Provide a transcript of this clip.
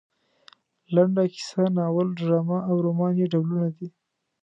لنډه کیسه ناول ډرامه او رومان یې ډولونه دي.